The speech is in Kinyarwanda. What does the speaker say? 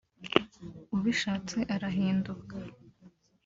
ubishatse arahinduka